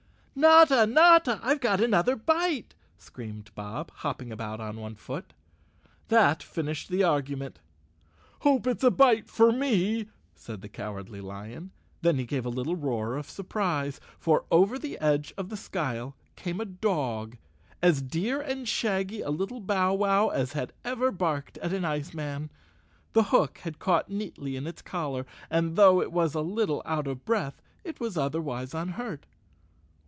"Notta! Notta! I've got another bite," screamed Bob, hopping about on one foot. That finished the argu¬ ment. "Hope it's a bite for me," said the Cowardly Lion. Then he gave a little roar of surprise, for over the edge of the skyle came a dog—as dear and shaggy a little bow wow as had ever barked at an ice man. The hook had caught neatly in its collar and, though it was a little out of breath, it was otherwise unhurt.